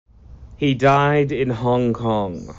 He died in Hong Kong.